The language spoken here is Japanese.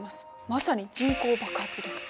まさに人口爆発です。